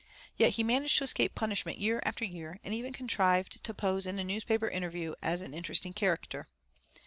Yet he managed to escape punishment year after year, and even contrived to pose in a newspaper interview as an interesting character.